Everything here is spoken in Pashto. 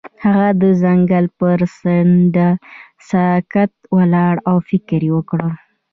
هغه د ځنګل پر څنډه ساکت ولاړ او فکر وکړ.